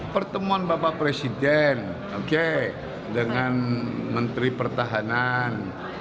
pertemuan bapak presiden oke dengan menteri pertahanan